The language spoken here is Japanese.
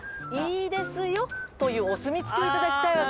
いいですよというお墨付きを頂きたいわけ。